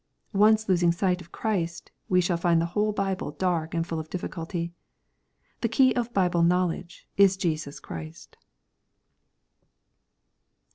Once losing sight of Christ, we shall find the whole Bible dark and full of difficulty. The key of Bible knowledge is Jesus Christ.